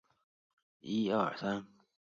自西向东流经了斯洛伐克的大部分国土。